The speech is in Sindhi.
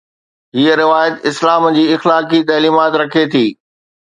هيءَ روايت اسلام جي اخلاقي تعليمات رکي ٿي.